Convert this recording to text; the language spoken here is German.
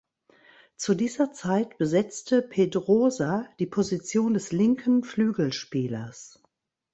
Zu dieser Zeit besetzte Pedrosa die Position des linken Flügelspielers.